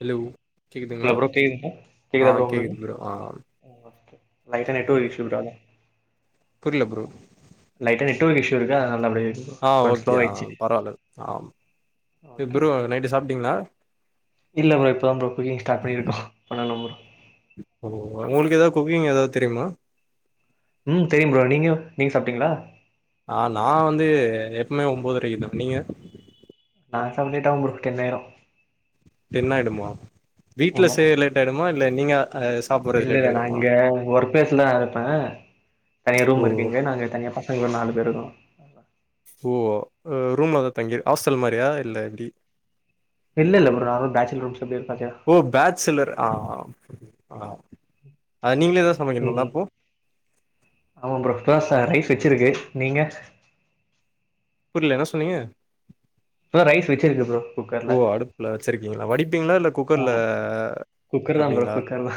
Hello கேக்குதுங்களா hello bro கேக்குதுங்களா ஆ கேக்கதா ப்ரோ உங்களுக்கு கேக்குது ஆ ஓகே லைட்டா நெட்வொர்க் இஸ்சுட்ரால புரில ப்ரோ லைட்டா நெட்வொர்க் இஷூ இருக்கு அதனால அப்டி ஆ கொஞ்சோ ஸ்லோ ஓகே ஆ ஆயிடுச்சு பரவால்ல ஆ ஓகே ப்ரோ ஓகே நைட்டு சாப்ட்டீங்களா இல்ல ப்ரோ இப்பதான் ப்ரோ குக்கிங் ஸ்டார்ட் பண்ணிருக்கோம் பண்ணணும் ப்ரோ ஓ உங்களுக்கு ஏதாவது குக்கிங் ஏதாவது தெரியுமா ம் தெரியும் ப்ரோ நீங்க நீங்க சாப்ட்டீங்களா ஆ நான் வந்து எப்பவுமே ஒன்பதுரைக்கும்ந்த நீங்க நான் சாப்ட லேட் ஆகும் ப்ரோ டென்னாயிரு டென் ஆயிடுமா வீட்ல செய்ய லேட் ஆயிடுமா இல்ல நீங்க அ சாப்புட்றது லேட் இல்லல்ல நான் ஆயிடுமா இங்க ஒர்க் பிலேஸ் ல தான் இருப்பேன் தனியா ஓ ரூம் இருக்கு இங்க நாங்க தனியா பசங்களும் நாலு பேர் இருக்கோ ஓ ரூம் அததான் தங்கிிரு ஹாஸ்டல் மாதிரியா இல்ல எப்டி இல்ல இல்ல ப்ரோ நார்மல் பேச்சலர் ரூம்ஸ் எப்டி இருக்கு அதேதா ஓ பேச்சலர் ஆ ஆ அ நீங்களேதா சமைக்கணுங்களா ம் அப்போ ஆமா ப்ரோ இப்பதா ரைஸ் வச்சிருக்கு நீங்க புரியல என்ன சொன்னீங்க இப்ப தா ரைஸ் வச்சிருக்கு ப்ரோ குக்கர்ல ஓ அடுப்புல வச்சிருக்கீங்களா வடிப்பீங்களா இல்ல குக்கர்ல ஆமா குக்கர் தா ப்ரோ வப்பீங்களா குக்கர் தா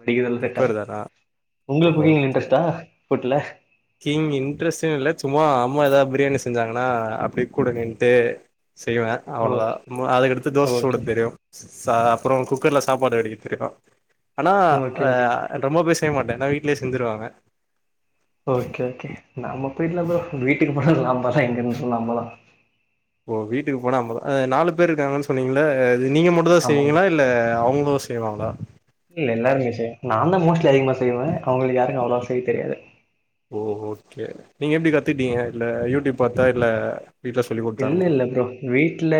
வடிக்குறதல்லா செட்டா சிங் இன்ட்ரஸ்ட்னு இல்ல சும்மா அம்மா ஏதா பிரியாணி செஞ்சாங்கன்னா அப்டி கூட நின்ட்டு செய்வே அவ்வளோதா ஓகே அதுக்கடுத்து தோச சுட ஓகே தெரியு அப்புறம் குக்கர்ல சாப்பாடு வடிக்க தெரியு ஆனா ஓகே ஓகே ஆ ரொம்ப பே செய்ய மாட்டே எல்லா வீட்லயே செஞ்சுருவாங்க வீட்ல ப்ரோ வீட்டுக்கு போனாலு நம்பதா இங்கருந்தாலு நம்ப தா ஓ வீட்டுக்கு போனா அம்ப அ நாலு பேர் இருக்காங்கன்னு சொன்னீங்கல நீங்க மட்டும்தா ஆமாங்க செய்வீங்களா இல்ல அவங்களு செய்வாங்களா இல்ல எல்லாருமே செய்யு நான் தா மோஸ்ட்லி அதிகமா செய்வே அவங்களுக்கு யாருக்கு அவ்வளவா செய்ய தெரியாது சேர் நீங்க எப்டி கத்திட்டீங்க இல்ல யூடியூப் பாத்தா இல்ல வீட்ல சொல்லி இல்ல குடுத்தாங்களா இல்ல ப்ரோ வீட்ல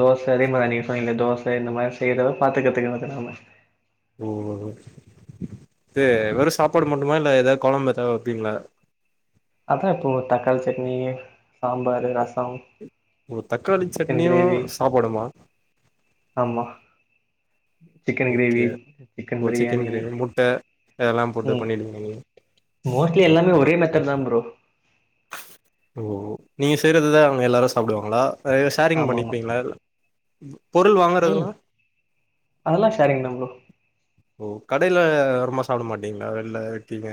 தோச அதே மாரிதா நீங்க சொன்னிங்கள தோ ச இந்த மாரி செய்றதுலா பாத்து கத்துக்றது தா நாம ஓ இது வெறு சாப்பாடு மட்டுமா இல்ல ஏதா கொழம்பு எதா வப்பீங்களா அதா இப்போ தக்காளி சட்னி சாம்பாரு ரசம் ஒ தக்காளி சிக்கன் சட்னியு கிரேவி சாப்பாடுமா ஆமா சிக்கன் ஓகே கிரேவி சிக்கன் ஓ பிரியாணி கிரேவி முட்ட இதெல்லா போட்டு ம் பண்ணிடுவீங்க நீங்க மோஸ்ட்லி எல்லாமே ஓகே ஒரே மெத்தட் தான் ப்ரோ ஓ நீங்க செய்ரதுதா அவங்க எல்லாரு சாப்டுவாங்களா இ ஷேரிங் ஆமாமா. பண்ணிப்பீங்களா பொருள் ம் வாங்கறதுங்ளா அதெல்லாம் ஷேரிங் தான் ப்ரோ. ஓ கடைல வருமா சாப்பிட மாட்டீங்களா வெளில இருக்கீங்க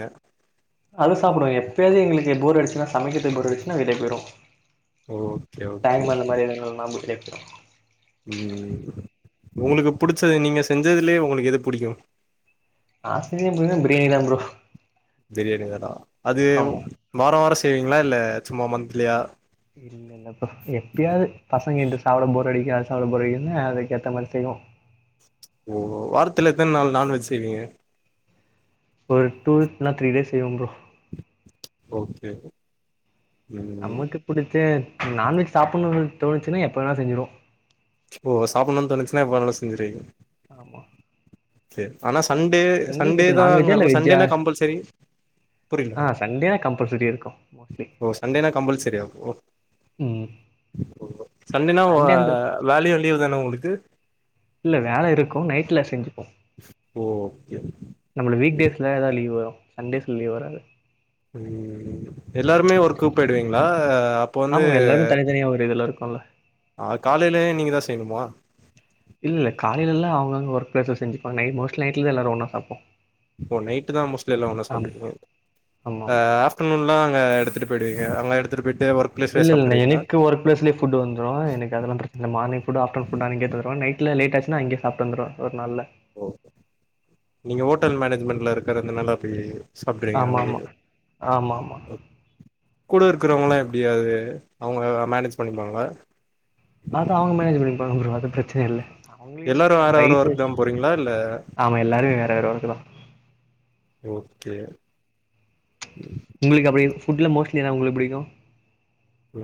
அது சாப்டுவோ எப்போயாது எங்களுக்கு போர் அடிச்சுன்னா சமைக்கிறதுக்கு போர் அடிச்சுன்னா வெளிய போயிடுவோ ஓகே ஓகே டைம் அந்த மாரி எதனா ஒரு நாள் [unintelligible] ம் உங்களுக்கு புடிச்சது நீங்க செஞ்சதுலயே உங்களுக்கு எது புடிக்கும் நா செஞ்சது பாத்தனா பிரியாணிதா ப்ரோ பிரியாணி தானா அது ஆமா. வார வாரம் செய்விங்களா இல்ல சும்மா மந்த்லியா இல்ல இல்ல ப்ரோ எப்பியாவது பசங்க இங்ட்டு சாப்ட போர் அடிக்கு அது சாப்ட போர் அடிக்குதுன்னா அதுக்கேத்தா மாரி செய்வோம் ஓ வாரத்துல எத்தன நாள் நான்வெஜ் செய்வீங்க ஒரு டூ இல்னா த்ரீ டேஸ் செய்வோம் ப்ரோ ஓகே ம் நம்ளுக்கு புடிச்ச நான்வெஜ் சாப்பிடணுன் தோணுச்சுன்னா எப்ப வேனா செஞ்சிருவோ ஓ சாப்பிடணுன் தோனுச்சுன்னா எப்ப வேனாலு செஞ்சிருவீங் ஆமா செரி ஆனா சண்டே உங்களுக்கு சண்டே எப்டி நான்வெஜ்ஜா இல்ல தான்ங்கரப்ப வெஜ்ஜா? சண்டேனா கம்பல்சரி புரியில ஆ சண்டேனா கம்பல்சரி இருக்கும் மோஸ்ட்லி. ஓ சண்டேனா கம்பல்சரியா அப்போ ம். சண்டேனா ஒ சண்டே அ அந்த வேலயு லீவ் தானா உங்ளுக்கு இல்ல வேல இருக்கு நைட்ல செஞ்சுப்போ ஓ ஓகே நம்மளுக்கு வீக் செரி டேஸ்ல தா லீவ் வரும் சண்டேஸ்ல லீவ் வராது எல்லாருமே ஒர்க்கு போய்டுவீங்களா அப்போ வந்து ஆமா எல்லாருமே தனித்தனியா ஒரு இதுல இருக்கோல்ல காலைலயு நீங்கதா செய்யணுமா இல்லல்ல காலைலலா அவங்கவங்க ஒர்க் ப்ளேஸ்ல செஞ்சுக்குவாங்க நைட் மோஸ்ட் நைட்ல தா எல்லாரு ஒன்னா சாப்போ ஒ நைட்டுதா மோஸ்ட்லி எல்லா ஒன்னா சாப்டுவீங்களோ ஆமாமா அ ஆஃப்டனூன்லா அங்க எடுத்துட்டு போய்டுவீங்க அங்க எடுத்துட்டு போய் இல்ல இல்ல எனக்கு ஒர்க் ப்ளேஸ்லே ஃபுட்டு வந்துரு எனக்கு அதெல்லா பிரச்சன இல்ல மார்னிங் ஃபுட்டா ஆப்டர்னு ஃபுட்லா இங்கே எத்துருவே நைட்ல லேட் ஆச்சு னா அங்க்யே சாப்ட்டு வந்துருவே ஒரு நாள்ல ஓ நீங்க ஹோட்டல் மேனேஜ்மெண்ட்ல இருக்கறதுனால அப்டி சாப்றீங்க அங்கயே ஆமாமா ஆமாமா கூட இருக் குறவங்களா எப்டி அது அவுங்க அத மேனேஜ் பண்ணிப்பாங்களா அது அவங்க மேனேஜ் பண்ணிப்பாங்க ப்ரோ அது ப்ரச்சனை இல்ல அவங்களுக் எல்லாரு என்ன வேற வேற சைசு ஒர்க் தா போறீங்களா இல்ல ஆமா எல்லாருமே வேற வேற ஒர்க்குதா ஓகே உங்களுக்கு அப்டி ஃபுட்ல மோஸ்ட்லி என்னா உங்ளுக்கு புடிக்கு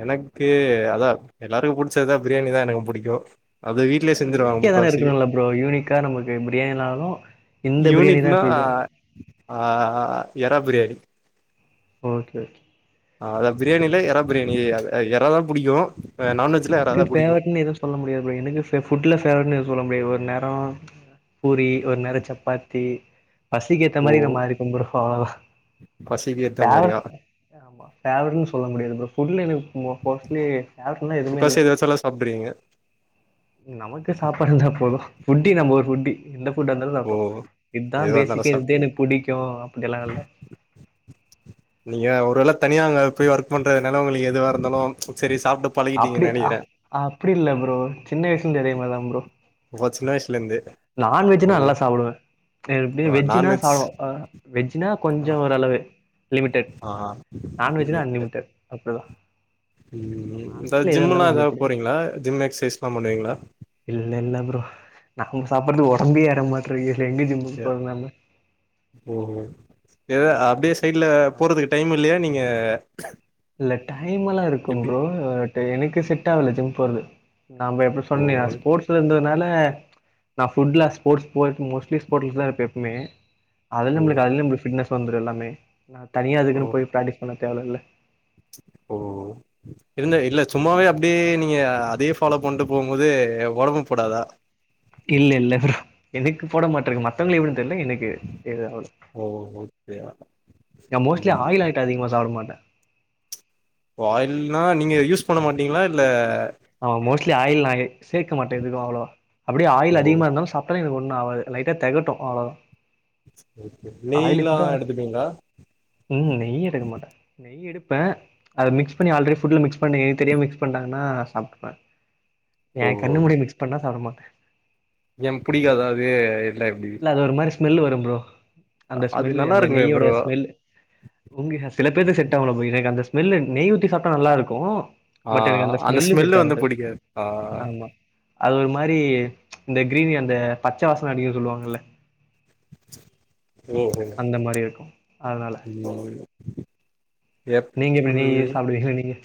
எனக்கு அதா எல்லாருக்கு புடிச்சதுதா பிரியாணிதா எனக்கு புடிக்கு அது வீட்லயே ஏனா செஞ்சிருவாங்க யூனிக்கா எதானு முக்காவாசி இருக்கணுல ப்ரோ யூனிக்கா நமக்கு பிரியாணினாலு யூனிக்னா ஆ எறால் பிரியாணி ஓகே ஓகே ஆ அதா பிரியாணில எறா பிரியாணி எறாதா புடிக்கு நான்வெஜ்ல எறா நமக்கு தா புடிக்கு ஃபேவரட்னு எதுவு சொல்ல முடியாது ப்ரோ எனக்கு ஃப ஃபுட்ல ஃபேவரட்னு எது சொல்ல மு டியாது ஒரு நேர பூரி ஒரு நேர சப்பாத்தி பசிக்கு ஏத்த ஓ மாரி நா மாறிப்பே ப்ரோ அவ்ளோதா பசிக்கு ஏத்த மாரியா ஃபேவரட் ஆமா ஃபேவரட்னு சொல்ல முடியாது ப்ரோ ஃபுட்ல எனக்கு மோ மோஸ்ட்லி ஃபேவரட்லா எதுவுமே முக்காசி இல்ல எது வச்சாலு சாப்ட்ருவிங்க நமக்கு சாப்பாடு இருந்தா போது ஃபுட்டி நம்ம ஒரு ஃபுட்டி எந்த ஃபுட்டா இருந்தாலு ஓ சாப்போ இதா எதுவா இருந்தாலு பேசிக்கே இதுத சாப்ட்டு எனக்கு புடிக்கு அப்டி எல்லா இல்ல நீங்க ஒரு வேள தனியா அங்க போய் ஒர்க் பண்றதனால உங்ளுக்கு எதுவா இருந்தாலு சரி சாப்ட்டு அப்டி பழகிட்டீங்கன்னு அ நெனைக்கிறே அப்டி இல்ல ப்ரோ சின்ன வயசுலெந்தே அதெ மாரிதா ப்ரோ அப்ப சின்ன வயசுல இருந்து நான்வெஜ்ஜுனா நல்லா சாப்டுவே இதே ஓ வெஜ்ஜுனா நான்வெஜ் சாப்ட அ வெஜ்ஜுனா ஆ கொஞ்சொ ஒரு அளவு லிமிடெட் நான்வெஜ்னா ஆ அன்லிமிடெட் அப்டிதா இந்த நான்வெஜ்ல எதா ஜிம்முலா இருந்தாலு எதாது நம்மளுக்கு புடிக்கு போறிங்ளா ஜிம் எக்சைஸ்லா பண்ணுவிங்ளா இல்ல இல்ல ப்ரோ நாம சாப்படறது ஒடம்பே ஏற மாட்றங்கு அ ஓ ஹோ எது அப் அப்டியே சைட்ல அ போறதுக்கு டைம் இல்லையா நீங்க இல்ல டைம்மெல்லா இருக்கும் எப்டி ப்ரோ எனக்கு செட் ஆகல ஜிம் போறது நாம எப்படி ஓ சொன்னே அ உங்களுக்கு ஸ்போர்ட்ஸ்ல இருந்ததுனால நா ஃபுல்லா ஸ்போர்ட்ஸ் போட் மோஸ்ட்லி ஸ்போர்ட்ல தா இருப்ப எப்பமே அது ஓ நம்முளுக்கு அதில்லயே நம்ளுக்கு ஃபிட்னஸ் வந்துரு எல்லாமே நா தனியா அதுக்குனு ஓ போய் பிராக்டீஸ் பண்ண தேவ இல்ல ஓ இருந்த இல்ல சும்மாவே அப்டியே நீங்க அதே ஃபாலோ பண்ட்டு போகும் போது ஒடம்பு போடாதா இல்ல இல்ல ப்ரோ எனக்கு போட மாட்ருக்கு மத்தவங்கள தெர்ல எனக்கு எது ஆவுல ஓ ஓகேயா அ மோஸ்ட்லி ம் ஆயில் அயிட்ட அதிகமா சாப்ட மாட்ட ஓ ஆயில்னா நீங்க யூஸ் பண்ண மாட்டிங்ளா இல்ல ஆமா மோஸ்ட்லி ஆயில் நா எ சேக்க மாட்டே எதுக்கு அவ்ளவா அப்டியே ஓ ஆயில் அதிகமா இருந்தாலு சாப்டாலே எனக்கு ஒன் னு ஆவாது லைட்டா தெகட்டு அவ்ளோதா ஓகே ஆய்லி நெய்லா ஃபுட் எடுத்துப்பீங்களா ம் நெய் எடுக்க மாட்டே நெய் எடுப் ப அத மிக்ஸ் பண்ணி ஆல்ரெடி ஃபுட்ல மிக்ஸ் பண்ணி தெரியாம மிக்ஸ் பண்ட்டாங்கனா சாப்டுப்ப எ ஓ கண்ணு முன்னாடி மிக்ஸ் பண்ணா சாப்ட மாட் ஏ புடிக்காதா அது இல்ல அது ஒரு மாரி ஸ்மெல்லு வரும் ப்ரோ அந்த அது ஸ்மெல்லு நல்லா அந்த இருக்குமே நெய்யோட ப்ரோ ஸ்மெல் உங்க சில பேருக் செட் ஆவல ப்ரோ எனக்கு அந்த ஸ் மெல்லு நெய் ஊத்தி சாப்டா நல்லாருக்கு ஆ பட் எனக்கு அந்த ஸ்மெல்லு செட் வந்து ஆகாது புடிக்காது ஆ ஆமா அது ஒரு மாரி இந்த கிரீவீ அந்த பச்ச வாசன அடிக்குதுனு சொல்லுவாங்கல்ல அந்த மாரி இருக்கு அதனால உ நீங்க நெய் சாப்டுவிங்ளா நீங்க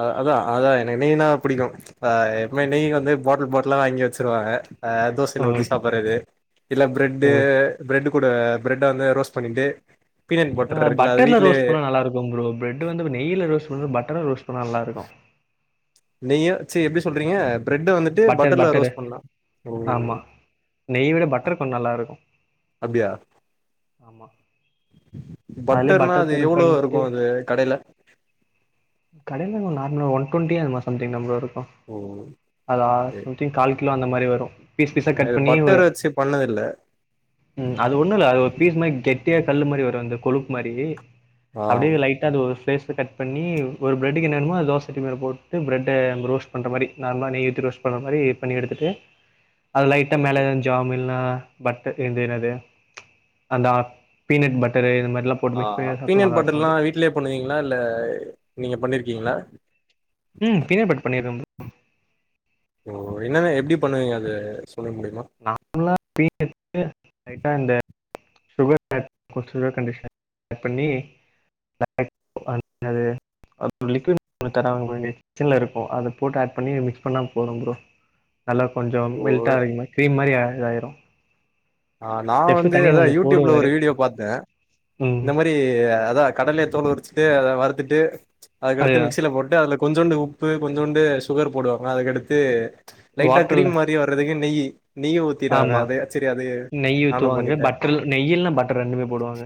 அ அதா அதா எனக்கு நெய்யினா புடிக்கு அ எப்பமே நெய் வந்து பாட்லு பாட்லா வாங்கி வச்சிருவாங்க அ தோசையில ஊத்தி ஓகே சாப்புர்றது இல்ல ப்ரெட்டு ஓகே ப்ரெட் கூட ப்ரட்ட வந்து ரோஸ்ட் பண்ணிட்டு பீனட் பட்டர் அ இருக்குல்ல அது பட்டர்ல வீட்லயே ரோஸ்ட் பண்ணா நல்லாருக்கு ப்ரோ ப்ரெட்டு வந்து நெய்யில ரோஸ்ட் ஒரு பட்டர்வ ரோஸ்ட் பண்ணா நல்லாருக்கு நெய்யு ச்சீ எப்டி சொல்றீங்க ப்ரெட்டு வந்துட்டு பட்டர் பட்டர்ல ரோஸ்ட் பண்லா ஓ ஓ நெய்யட பட்டர் கொஞ்சோ நல்லாருக்கு அப்டியா ஆமா அதுலயே பட்டர்னா பட்டர் அது போட்டு எவ்ளோ இருக்கு அது கடைய்லே கடைய்ல ஒரு நார்மலா ஒன் டொன்டி அது மாரி சம்திங் தா ப்ரோ ருக் ஓ ஓ அதா சம்திங் கால் கிலோ அந்த மாரி வரு பீஸ் பீஸா நா கட் இது பண்ணி ஒரு பட்டர் வச்சு பண்ணதில்ல ம் அது ஒண்ணுல்ல அது ஒரு பீஸ் மாரி கெட் ட்டியா கல்லு மாரி வரு அந்த கொழுப் மாரி ஆ அப்டியே லைட்டா அது ஒரு ஃபேஸ் கட் பண்ணி ஒரு ப்ரெட்டுக்கு என்ன வேணுமோ அத தோச சட்டி மேல போட்டு ப்ரட்ட ரோஸ்ட் பண்ற மாரி நார்மலா நெய்விட்டு ரோஸ்ட் பண்ற மாரி பண்ணி எடுத்துட்டு அத லைட்டா மேல ஓகே எது ஜாமு இல் லா பட்டர் இது என்னது அந்த அ பீனட் பட்டர் இது மார் ஆ ஆ பீனட் பட்டர்லா வீட்லே பண்ணு வீங்களா இல்ல நீங்க பண்ணிருக்கீங்களா ம் பீனட் பட் பண் ஓ என்னென்ன எப்டி பண்ணுவீங்க அது சொல்ல முடியுமா நார்மலா [inaudible] லைட்டா அந்த சுகர் [inaudible] கண்டிஷன ஆட் பண்ணி [inaudible] அது அதுக்கு லிக்யூட் ஒன்னு தராங்க [inaudible] இருக்கும் அத போட்டு ஆட் பண்ணி மிக்ஸ் பண்ணா போதும் ப்ரோ நல்லா கொஞ்சோ ஓ மெல்ட்டா அயிருமாரி க்ரீம் மாரி இதா ஆயிடு ஆ நா வந்து அதா யூடுயூப்ல போடுவார் ஒரு வீடியோ பாத்தே ம் இந்த மேரி அதா கடல்யே தோல் உரிச்சுட்டு அத வறுத்துட்டு அது அதுக்கடுத்து மிக்சியில போட்டு அதுல கொஞ்சோண்டு உப்பு கொஞ்சோண்டு சுகர் போடுவாங்க அதுக்கடுத்து லைட்டா வாட்டரில் கிரீம் மாரி வர்றதுக்கு நெய் நெய் ஊத்திர்றாங்க ஆமாம் அதா சரி அது நெய் நானு ஊற்றுவாங்க பண்ணிட்டே பட்டர் நெய்யில்னா பட்டர் ரெண்டுமே போடுவாங்க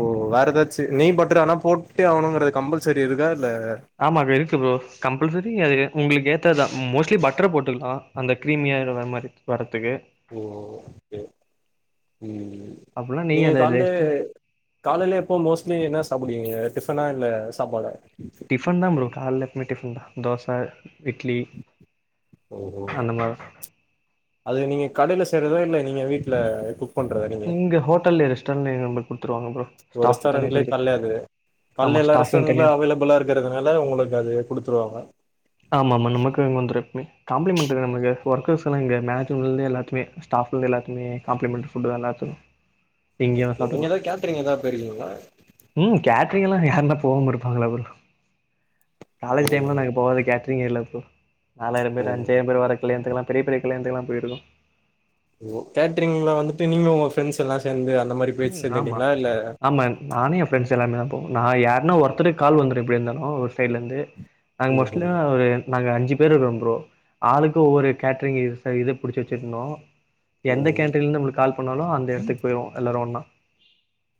ஓ வேற ஏதாச்சு நெய் பட்டுரு ஆனா போட்டே ஆகணுங்கற கம்பல்சரி இருக்கா இல்ல ஆமாங்க இருக்கு ப்ரோ கம்பல்சரி அது உங்களுக்கு ஏத் ததுதா மோஸ்ட்லி பட்டர் போட்டுக்கலா அந்த கிரீமிய இருக்கற மாரி வரத் ஓ ஓகே ம் அப்படின்னா நெய் நீங்க அந்த கால்லே லேஸ்ட்டாக காலையில எப்போ மோஸ்ட்லி என்ன சாப்பிடுவீங்க க்த் டிபன்னால்ல சாப்பாடு டிபன் தான் ப்ரோ காலையில எப்பவுமே டிபன்தா தோச இட்லி ஓ ஓ அந்த மார்தா அது நீங்க கடையில செய்யறதா இல்ல நீங்க வீட்ல குக் பண்றதா நீங்க இங்க ஹோட்டல்ல ரெஸ்டாரன்ட்ல நம்ப குடுத் ஓ ரெஸ்டாரண்ட்லயே கால்லே து ஆமா கால்ல எல்லா ஸ்டாஃபிங் ரெஸ்டாரண்ட்ல தனியா அவைலபில்லா இருக்கறதுனால உங்களுக்கு அது குடுத்துருவாங்க ஆமா ஆமா நமக்கு வந்துரு எப்பயுமே காப்ளிமெண்ட் வேணு நமக்கு ஒர்கர்ஸு எங்க மேட்மெண்ட்லந்து எல்லாத்துமே ஸ்டாஃபுங்கு எல்லாத்துகுமே காம்ப்ளிமெண்ட் ஃபுட்டுதா எல்லாத்துக்கு எங்கே வே நீங்க சாப்ட்டுக்கலா ஏதாவது கேட்டரிங் ஏதாவது போயிருக்கீங்களா ம் கே கேகளா யாருன்னா போகம இருப்பாங்களா ப்ரோ காலேஜ் ம் டைம்ல நாங்க போகாத் கேட்டரிங் எல்லாத்துக்கு நாலாயிரோ பேரு ம் அஞ்சாயிரோ பேரு வர கல்யாணத்துக்கலா பெரிய பெரிய கல்யாணத்துக்கலா போயிருக்கோ ஓ கேட்டரிங்ல வந்துட்டு நீங்க உங்க ஃப்ரெண்ட்ஸெல்லா சேந்து மாரி போய் ம் ஆமா சேந்துட்டீங்களா இல்ல ஆமா நானே எ ஃப்ரெண்ட்ஸ் எல்லாருமேதா போவோ நா யாருன்னா ஒருத்தருக் கால் வந்துரு எப்படியாருந்தாலு ஒரு சைட்லருந்து நாங்க ஓஹோ மோஸ்ட்லியோ நாங்க அஞ்சு பேர் இருக்கிறோம் ப்ரோ ஆளுக்கு ஒவ்வொரு கேட்ரிங் இ இது புடிச்சு வெச்சிருந்தோ எந்த ம் கேட்ரிங்லந்து நம்மளுக்கு கால் பண்ணாலு அந்த எடத்துக்கு போய்ருவோ எல்லாரு ஒன்னா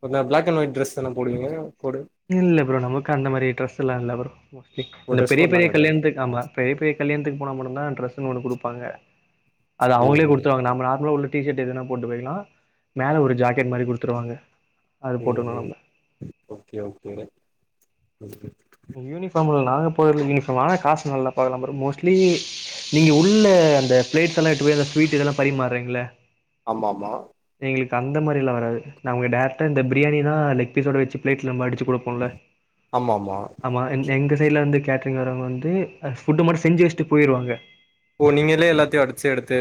ஒர்னா பிளாக் அண்ட் ஒயிட் டிரஸ்தான போடுவீங்க கோடு இல்ல ப்ரோ நமக்கு அந்த மாரி ட்ரெஸ் எல்லா இல்ல ப்ரோ ஓ இந்த ட்ரெஸ் பெரிய கோட்லா பெரிய கெடையாதா கல்யாணத்துக்கு ஆமா பெரிய பெரிய கல்யாணத்துக்கு போனா மட்டுந்தா டிரஸ்னு ஓன்னு குடுப்பாங்க அத அவுங்களே ம்ஹும் குடுத்துருவாங்க நம்ம நார்மலா உள்ள டீ ஷர்ட் எதுனா போட்டு போய்க்கலா மேல ஒரு ஜாக்கெட் மாரி குடுத்துருவாங்க அது ம் போட்டுக்கணு ம் நம்ம ஓகே ஓகே ம் யூனிஃபார்ம்ல நாங்க போடறதில்ல யூனிஃபார்ம் ஆனா காசு நல்லா பாக்கலாம் ப்ரோ மோஸ்ட்லி நீங்க உள்ள அந்த பிளேட்ஸ் எல்லா எடுத்து போய் அந்த ஸ்வீட் இதெல்லா பரிமாறீங்கள்ள ஆமாமா எங்களுக்கு அந்த மாரில்லா வராது நமக்கு டைரக்டா இந்த பிரியாணிதா லெக் பீஸோடோ வெச்சு பிளேட்ல மடிச்சு ஆமாமா அ எங் எங்க சைடுல வந்து கேட்டரிங் வர்ரவங்க வந்து ஃபுட்டு மட்டு செஞ்சு வெச்சிட்டு போயிருவாங்க ஓ நீங்களே எல்லாத்தையு அடிச்சு எடுத்து்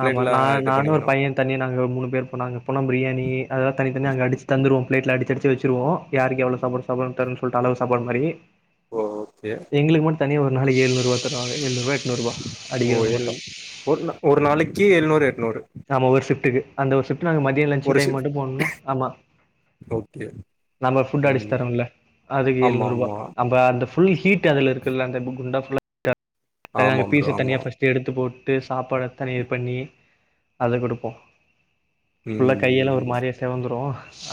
பிளேட் ஆமா எல்லா நா இது நானு ஒரு பண்ணிக்கணு பையன் தனியா நாங்க மூனு பேர் போனா அங்கபோனா பிரியாணி அதெல்லா தனித்தனியா அங்க அடிச்சு தந்துருவோ பிளேட்ல அடிச் அடிச் சு வெச்சிருவோ யாருக்கு எவ்ளவு சாப்பாடு சாப்பிடணு தர்னு சொல்ட்டு அளவு சாப்பாடு மாரி ஓ ஓகே எங்களுக்கு மட்டு தனியா ஒரு நாளைக்கு ஏழ்நூறுவா தருவாங்க ஏழ்நூறுவா எ ஓ ஏழ் ஒரு நா ஒரு நாளைக்கு ஏழ்நூறு எட்நூறு ஆமா ஒரு ஷிப்ட்டுக்கு அந்த ஒரு ஷிப்ட் நாங்க மதியோ லன்சு ஒரு டைம் ஷிஃப் மட்டு போணோன்னா ஆமா ஓகே நம்ம ஃபுட் அடிச்சு ம் தர்ரம்ல்ல அதுக்கு ஆமா ஏழ்நூறு ரூபா ஆமா அம்ப அந்த ஃபுல் ஹீட் அதுல இருக்கல்ல அந்த குண்டா ஃபுல்லா தன ஆமா நாங்க ப்ரோ பீச ஆமா தனியா ஃபர்ஸ்ட் எடுத்து போ ட்டு சாப்பாட தண்ணீர் பண்ணி அத குடுப்போ ஃபுல்லா கையெல்லா ஒரு ம் மாரியா செவந்துரு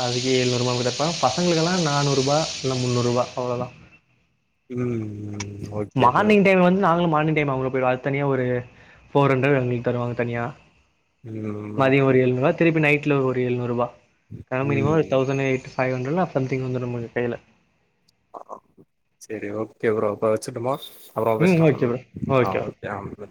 அதுக்கு ஏழ்நூறு ரூபா [unintelligible] பசங்களுக்கெல்லா நானூறு ரூபா இல்ல முன்நூறு ரூபா அவ்ளவுதா ம் ம் மார்னிங் டைம் வந்து நாங்களு மார்னிங் டைம் அவுங்க கூட போயிருவே அது தனியா ஒரு போர் ஹண்ரெட்டு எங்களுக்கு தருவாங்க தனியா ம் மதியோ ஓகே ஒரு ப்ரோ எழுநூறுபா திருப்பி நைட்ல ஒரு எழுநூறுபா ம் [unintelligible] தசண்ட எய்ட் ஃபைவ் ஹண்ட்ரட்லா சம்திங் வந்துரு நம்ம கைல செரி ஓகே ப்ரோ அப்புறோ வெச்சிரட்டுமா அப்புறமா ம் பேசலா ஓகே ப்ரோ ஓகே ஆ ஆ ஆ